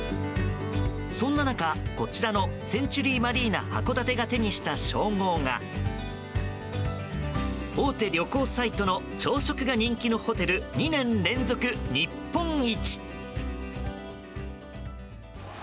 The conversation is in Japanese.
そんな中、こちらのセンチュリーマリーナ函館が手にした称号が大手旅行サイトの朝食が人気のホテル２年連続日本一。